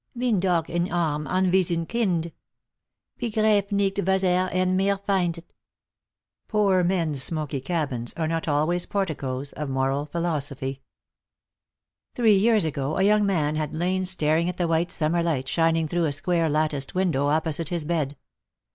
Bin doch ein arm unwissend Kind ; Begreife nicht was er an mir find't." " Poor men's smoky cabins are not always porticoes of moral philosophy." Thkee years ago, a young man had lain staring at the white summer light shining through a square latticed window oppo site his bed.